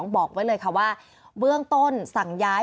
บอกไว้เลยค่ะว่าเบื้องต้นสั่งย้าย